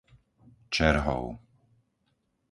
Čerhov